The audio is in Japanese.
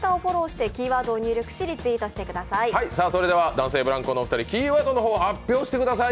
男性ブランコのお二人、キーワードを発表してください。